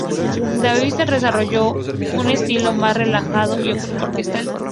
Davis desarrolló un estilo más relajado y orquestal.